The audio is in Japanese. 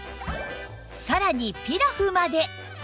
さらにピラフまで